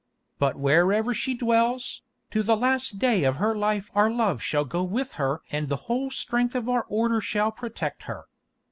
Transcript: But wherever she dwells, to the last day of her life our love shall go with her and the whole strength of our Order shall protect her.